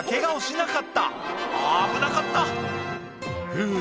「ふぅ